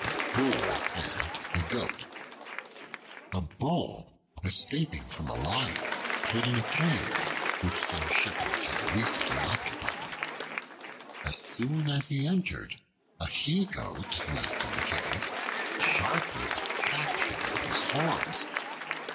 The Bull and the Goat A BULL, escaping from a Lion, hid in a cave which some shepherds had recently occupied. As soon as he entered, a He Goat left in the cave sharply attacked him with his horns.